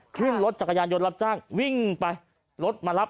ขึ้นรถจักรยานยนต์รับจ้างวิ่งไปรถมารับ